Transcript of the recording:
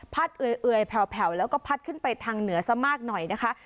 เอื่อยแผลวแล้วก็พัดขึ้นไปทางเหนือซะมากหน่อยนะคะ